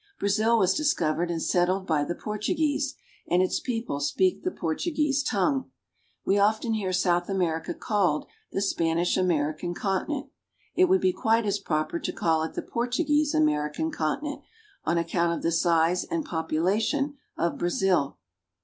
Brazil was discovered and settled by the Portuguese, and its people speak the Portuguese tongue. We often hear South America called the Spanish American continent. It would be quite as proper to call it the Portuguese American continent, on account of the size and population of Brazil.